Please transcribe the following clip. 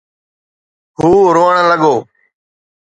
هو روئڻ لڳو.